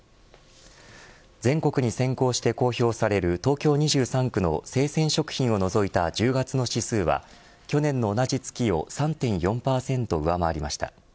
全国に先行して公表される東京２３区の生鮮食品を除いた１０月の指数は去年の同じ月を３．４％上回りました。